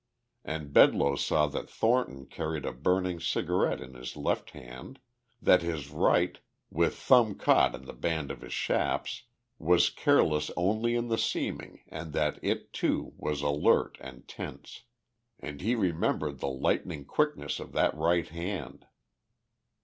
And Bedloe saw that Thornton carried a burning cigarette in his left hand, that his right, with thumb caught in the band of his chaps, was careless only in the seeming and that it, too, was alert and tense. And he remembered the lighting quickness of that right hand.